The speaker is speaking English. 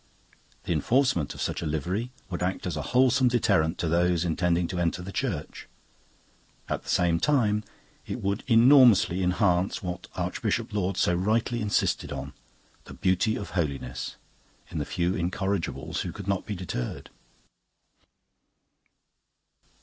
The enforcement of such a livery would act as a wholesome deterrent to those intending to enter the Church. At the same time it would enormously enhance, what Archbishop Laud so rightly insisted on, the 'beauty of holiness' in the few incorrigibles who could not be deterred."